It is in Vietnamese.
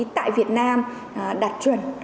tại việt nam đạt chuẩn